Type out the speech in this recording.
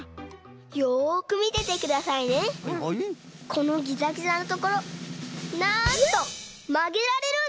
このギザギザのところなんとまげられるんです！